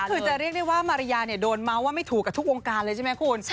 คือจะเรียกได้ว่ามาริยาเนี่ยโดนเมาส์ว่าไม่ถูกกับทุกวงการเลยใช่ไหมคุณ